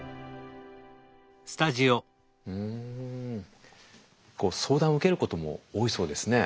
うん相談を受けることも多いそうですね。